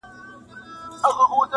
له لنډیو کفنونه محتسب لره ګنډمه -